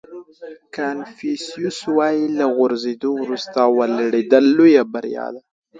کانفیوسیس وایي له غورځېدلو وروسته ولاړېدل لویه بریا ده.